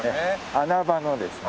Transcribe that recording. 穴場のですね